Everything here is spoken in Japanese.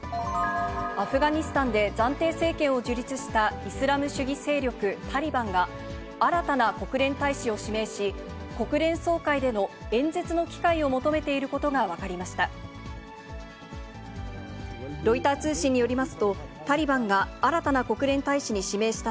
アフガニスタンで暫定政権を樹立したイスラム主義勢力タリバンが、新たな国連大使を指名し、国連総会での演説の機会を求めていることが分かりました。